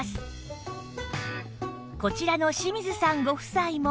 こちらの清水さんご夫妻も